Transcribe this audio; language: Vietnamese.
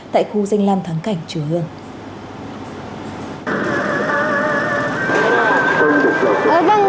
tại khu danh lan tháng cảnh chùa hương